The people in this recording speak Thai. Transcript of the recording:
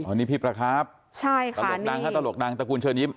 อันนี้พี่ประครับใช่ค่ะตลกดังฮะตลกดังตระกูลเชิญยิ้ม